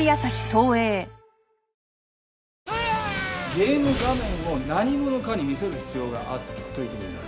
ゲーム画面を何者かに見せる必要があったという事になる。